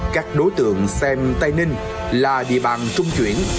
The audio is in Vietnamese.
các đối tượng xem tây ninh là địa bàn trung chuyển